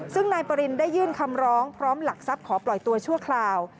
ซึ่งนายปรินได้ยื่นคำร้องพร้อมหลักทรัพย์ขอปล่อยตัวชั่วคราว